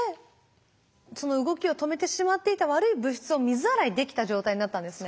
その動きを止めてしまっていた悪い物質を水洗いできた状態になったんですね。